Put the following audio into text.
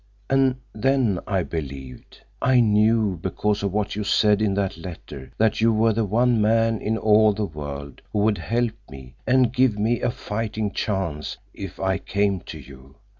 "And then I believed. I knew, because of what you said in that letter, that you were the one man in all the world who would help me and give me a fighting chance if I came to you.